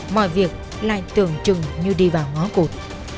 mọi việc lại tưởng chừng như đi vào ngõ cụt